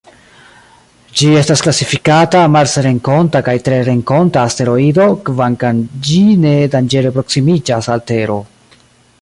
Ĝi estas klasifikata marsrenkonta kaj terrenkonta asteroido kvankam ĝi ne danĝere proksimiĝas al Tero.